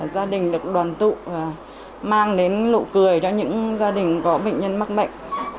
gia đình được đoàn tụ và mang đến lụ cười cho những gia đình có bệnh nhân mắc bệnh